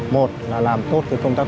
một là làm tốt công tác